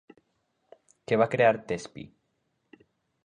Què va crear Tespi?